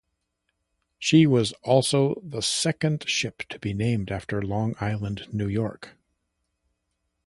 She was also the second ship to be named after Long Island, New York.